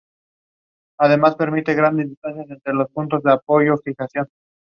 Los aviones existentes fueron utilizados como entrenadores hasta el final de la guerra.